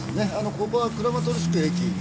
ここはクラマトルシク駅。